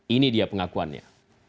ini dia pengakuannya